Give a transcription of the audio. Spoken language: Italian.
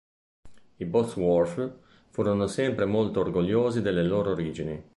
I Bosworth furono sempre molto orgogliosi delle loro origini.